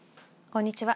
こんにちは。